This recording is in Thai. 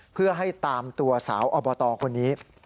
เพื่อให้ตามตัวสาวอบตคนนี้